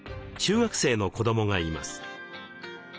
中学生の子どもがいます。